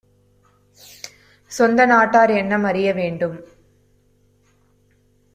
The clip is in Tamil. சொந்தநாட் டார்எண்ணம் அறிய வேண்டும்.